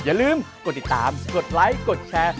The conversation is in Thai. อย่าลืมกดติดตามกดไลค์กดแชร์